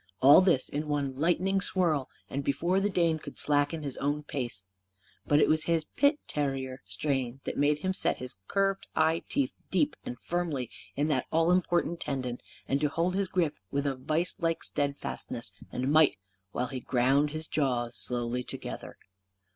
All this, in one lightning swirl, and before the Dane could slacken his own pace. But it was his pit terrier strain that made him set his curved eye teeth deep and firmly in that all important tendon, and to hold his grip with a vise like steadfastness and might, while he ground his jaws slowly together.